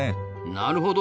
なるほど。